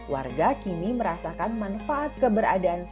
warga kini merasakan manfaat keberadaan sampah